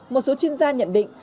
một số chuyên gia nhận định